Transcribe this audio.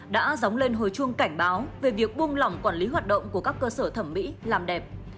đã dóng lên hồi chuông cảnh báo về việc buông lỏng quản lý hoạt động của các cơ sở thẩm mỹ làm đẹp